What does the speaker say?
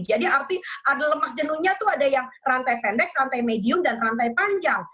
jadi arti ada lemak jenuhnya itu ada yang rantai pendek rantai medium dan rantai panjang